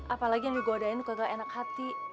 apalagi yang digodein kagak enak hati